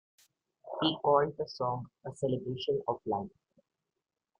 He called the song a celebration of life.